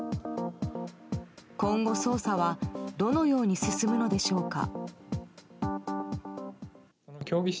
今後、捜査はどのように進むのでしょうか。